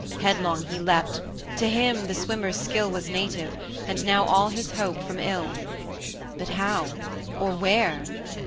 Headlong he leapt to him the swimmer's skill Was native, and now all his hope from ill: But how, or where?